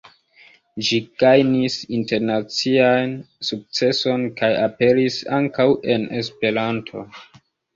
Ĝi gajnis internacian sukceson kaj aperis ankaŭ en Esperanto.